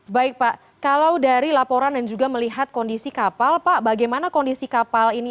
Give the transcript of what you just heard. baik pak kalau dari laporan dan juga melihat kondisi kapal pak bagaimana kondisi kapal ini